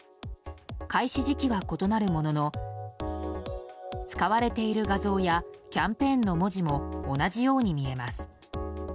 開始時期は異なるものの使われている画像やキャンペーンの文字も同じように見えます。